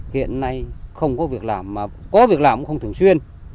hiện nay không có việc làm mà có việc làm cũng không thường xuyên